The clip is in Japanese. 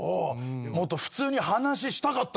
もっと普通に話したかったけどね。